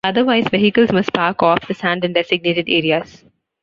Otherwise, vehicles must park off the sand in designated areas.